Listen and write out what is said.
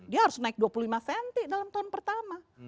dia harus naik dua puluh lima cm dalam tahun pertama